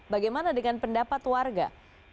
bagaimana dengan pendapat warga